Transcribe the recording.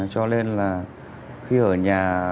cho nên là khi ở nhà